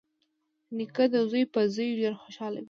نیکه د زوی په زوی ډېر خوشحال وي.